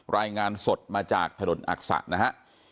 รายงานสดมาจากถนนอักษะนะฮะ